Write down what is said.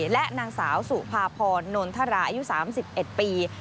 และนางสาวสุภาพรนนทราอายุ๓๑ปี